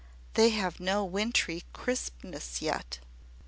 They have no wintry crispness yet."